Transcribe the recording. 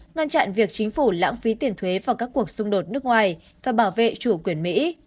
ngăn chặn việc chính phủ lãng phí tiền thuế vào các cuộc xung đột nước ngoài và bảo vệ chủ quyền mỹ